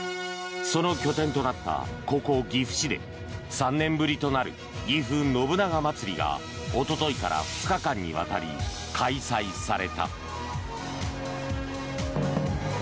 その拠点となったここ、岐阜市で３年ぶりとなるぎふ信長まつりがおとといから２日間にわたり開催された。